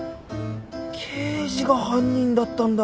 刑事が犯人だったんだ。